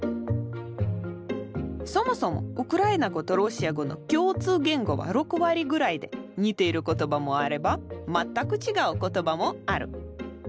そもそもウクライナ語とロシア語の共通言語は６割ぐらいで似ている言葉もあれば全く違う言葉もある。